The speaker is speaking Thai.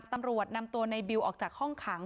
ตำรวจนำตัวในบิวออกจากห้องขัง